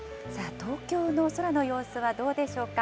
東京の空の様子はどうでしょうか。